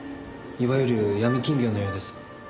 いわゆる闇金業のようです。